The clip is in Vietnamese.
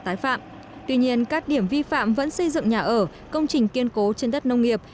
tái phạm tuy nhiên các điểm vi phạm vẫn xây dựng nhà ở công trình kiên cố trên đất nông nghiệp